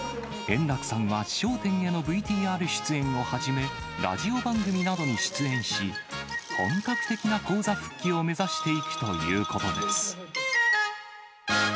円楽さんは笑点へのＶＴＲ出演をはじめ、ラジオ番組などに出演し、本格的な高座復帰を目指していくということです。